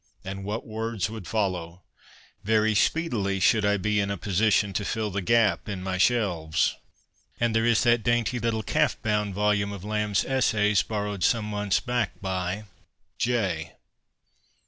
And what words would follow ! Very speedily should I be in a position to fill the gap in my shelves. And there is that dainty little calf bound volume of Lamb's essays, borrowed some months back by J